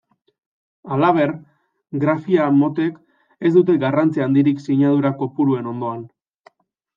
Halaber, grafia motek ez dute garrantzi handirik sinadura kopuruen ondoan.